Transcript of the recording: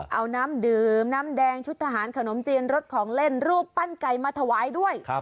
เอาน้ำดื่มน้ำแดงชุดทหารขนมจีนรสของเล่นรูปปั้นไก่มาถวายด้วย